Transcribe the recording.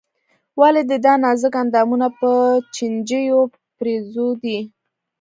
ولې دې دا نازک اندامونه په چينجيو پېرزو دي.